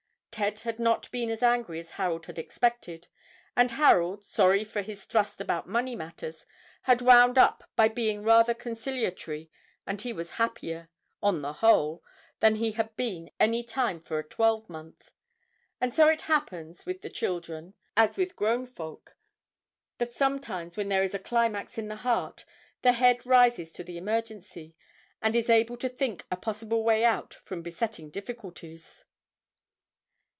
Ted had not been as angry as Harold had expected, and Harold, sorry for his thrust about money matters, had wound up by being rather conciliatory, and he was happier, on the whole, than he had been any time for a twelvemonth. And so it happens with the children, as with grown folk, that sometimes when there is a climax in the heart the head rises to the emergency, and is able to think a possible way out from besetting difficulties.